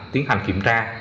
tiến hành kiểm tra